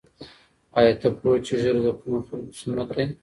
آیا ته پوهېږې چې ږیره د کومو خلکو سنت دی؟